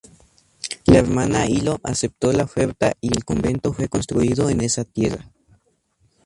La Hermana Hilo aceptó la oferta y el convento fue construido en esa tierra.